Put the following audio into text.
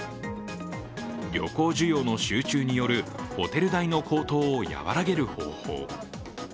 旅行需要の集中によるホテル代の高騰を和らげる方法。